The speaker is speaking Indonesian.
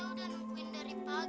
sabar ya sayang sebentar lagi datang